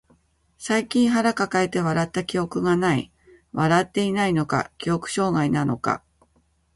最近腹抱えて笑った記憶がない。笑っていないのか、記憶障害なのか。